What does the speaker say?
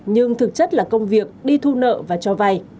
nhưng thực chất là công việc đi thu nợ